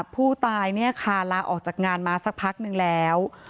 ผู้ตายคาราออกจากงานมาสักพักนึงแล้ว